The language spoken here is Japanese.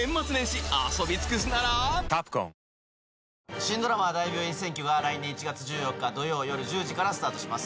新ドラマ、大病院占拠は、来年１月１４日土曜夜１０時からスタートします。